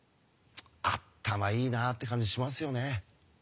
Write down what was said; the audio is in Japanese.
「あったまいいな」って感じしますよね。